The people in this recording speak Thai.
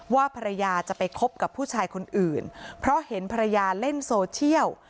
ว่าภรรยาจะไปคบกับผู้ชายคนอื่นเพราะเห็นภรรยาเล่นโซเชียล